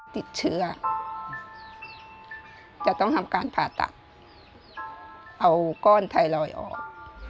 ติดเชื้อจะต้องทำการผ่าตัดเอาก้อนไทรอยออก